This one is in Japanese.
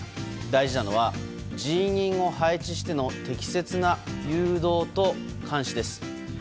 大事なのは、人員を配置しての適切な誘導と監視です。